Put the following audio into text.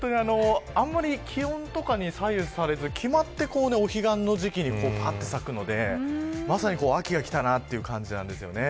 あまり気温とかに左右されず決まってお彼岸の時期に咲くのでまさに秋が来たなという感じです。